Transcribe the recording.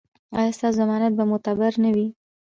ایا ستاسو ضمانت به معتبر نه وي؟